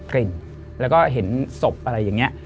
กลิ่นแล้วก็เห็นศพอะไรอย่างนี้